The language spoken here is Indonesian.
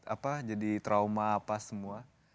apa jadi trauma apa semua